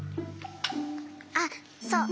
あっそう。